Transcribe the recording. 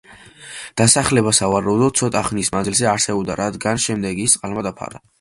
დასახლება სავარაუდოდ ცოტა ხნის მანძილზე არსებობდა, რადგან შემდეგ ის წყალმა დაფარა.